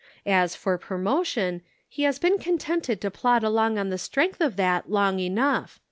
As for promotion, he has been contented to plod along on the strength of that long enough.